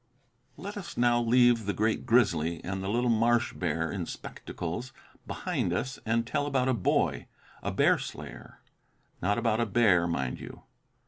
Let us now leave the great grizzly and the little marsh bear in spectacles behind us and tell about a boy, a bear slayer; not about a bear, mind you.